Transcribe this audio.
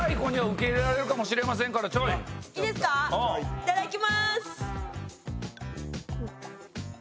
いただきます。